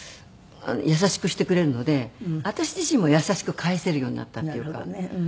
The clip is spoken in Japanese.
優しくしてくれるので私自身も優しく返せるようになったっていうか。